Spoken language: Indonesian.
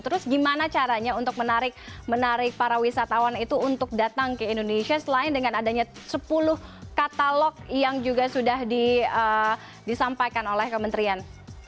terus gimana caranya untuk menarik para wisatawan itu untuk datang ke indonesia selain dengan adanya sepuluh katalog yang juga sudah disampaikan oleh kementerian